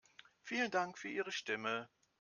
Vielen Dank für Ihre Stimme.